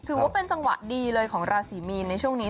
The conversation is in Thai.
ถือว่าเป็นจังหวะดีเลยของราศีมีนในช่วงนี้